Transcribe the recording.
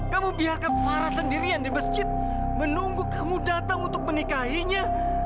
kamu biarkan farah sendirian di masjid menunggu kamu datang untuk menikahinya